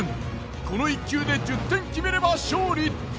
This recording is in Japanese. この１球で１０点決めれば勝利。